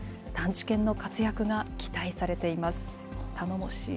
探知犬の活躍が期待されています。